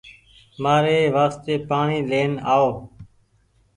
مآري واستي پآڻيٚ لين آئو